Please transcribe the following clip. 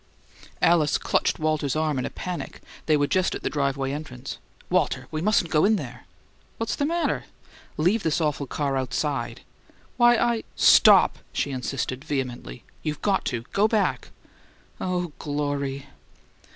Alice clutched Walter's arm in a panic; they were just at the driveway entrance. "Walter, we mustn't go in there." "What's the matter?" "Leave this awful car outside." "Why, I " "Stop!" she insisted, vehemently. "You've got to! Go back!" "Oh, Glory!"